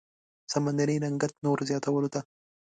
سمندري رنګت نور زياتولو ته